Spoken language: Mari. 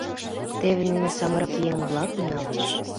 Теве нине самырык еҥ-влакымак налаш.